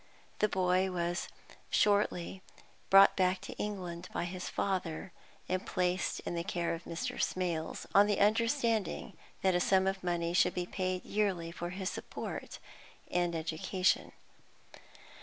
The boy was shortly brought back to England by his father, and placed in the care of Mr. Smales, on the understanding that a sum of money should be paid yearly for his support and education.